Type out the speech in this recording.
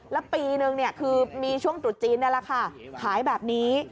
แล้วปีนึงคือมีช่วงตรุษจีนนี่แหละค่ะขายแบบนี้